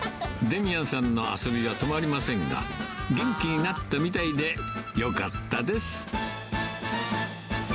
デミアンさんの遊びは止まりませんが、元気になったみたいでよかったです。